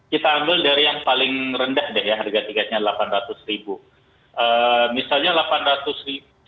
kita ambil dari yang paling rendah deh ya